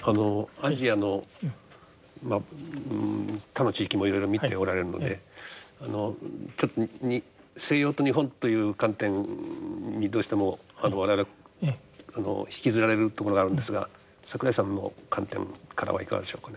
アジアの他の地域もいろいろ見ておられるのでちょっと西洋と日本という観点にどうしても我々は引きずられるところがあるんですが櫻井さんの観点からはいかがでしょうかね。